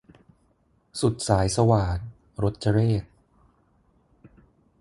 สุดสายสวาท - รจเรข